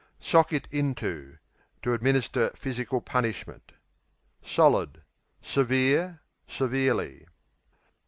Sock it into To administer physical punishment. Solid Severe; severely.